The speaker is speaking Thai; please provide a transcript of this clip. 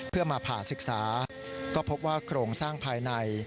เพื่อมาผ่าศึกษาก็พบว่าโครงสร้างภายใน